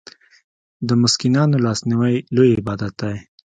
د مسکینانو لاسنیوی لوی عبادت دی.